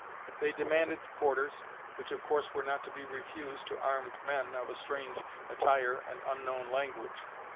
They demanded quarters, which of course were not to be refused to armed men of a strange attire and unknown language.